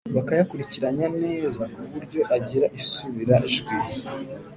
bakayakurikiranya neza kuburyo agira isubira jwi